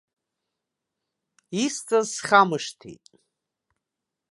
Исҵаз схамышҭит.